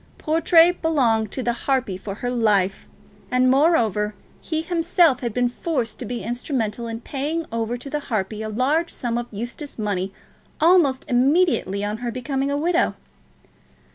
Portray belonged to the harpy for her life; and moreover, he himself had been forced to be instrumental in paying over to the harpy a large sum of Eustace money almost immediately on her becoming a widow.